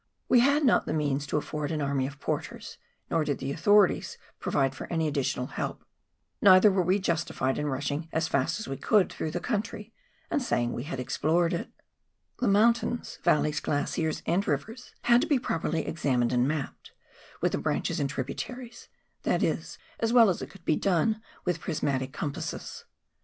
We had not the means to afford an army of porters, nor did the authorities provide for any addi tional help ; neither were we justified in rushing as fast as we could through the country and saying we had explored it. COPLAND RIVER AND GENERAL WORK. 297 The mountains, valleys, glaciers and rivers had to be pro perly examined and mapped, with the branches and tribu taries — that is, as well as it could be done with prismatic compasses.